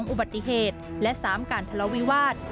อุบัติเหตุและ๓การทะเลาวิวาส